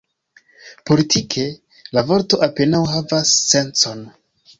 Politike, la vorto apenaŭ havas sencon.